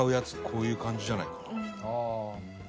こういう感じじゃないかな？